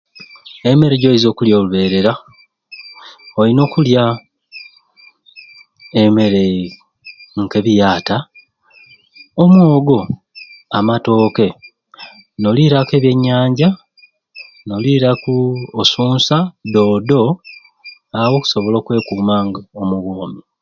Emmere gyoyinza okulya oluberera oyina okulya emmere nka ebiyata omwogo amwei na matoke noliraku ebyenyanja noliraku osunsa doodo awo okusobola okwekuma nga omu bwomi